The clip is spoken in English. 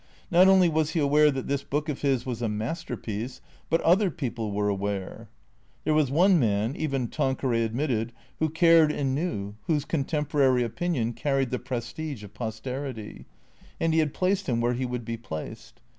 Xot only was he aware that this book of his was a masterpiece, but other people were aware. There was one man, even Tanqueray admitted, who cared and knew, whose contemporary opinion carried the prestige of pos terity; and he had placed him where he would be placed.